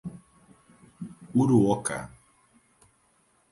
Uruoca